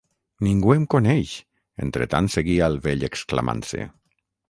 -Ningú em coneix!- entretant seguia el vell exclamant-se.